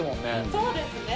そうですね。